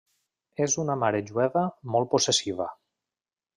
És una mare jueva molt possessiva!